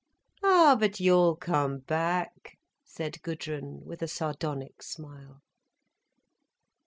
"Ah, but you'll come back," said Gudrun, with a sardonic smile.